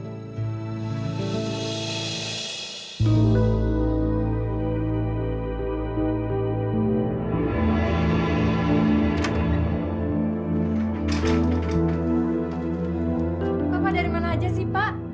bapak dari mana aja sih pak